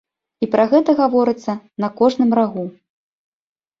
І пра гэта гаворыцца на кожным рагу.